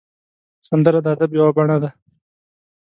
سندره د ادب یو بڼه ده